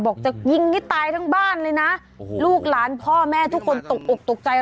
จะยิงให้ตายทั้งบ้านเลยนะลูกหลานพ่อแม่ทุกคนตกอกตกใจ